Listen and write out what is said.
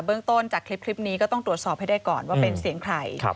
เรื่องต้นจากคลิปนี้ก็ต้องตรวจสอบให้ได้ก่อนว่าเป็นเสียงใคร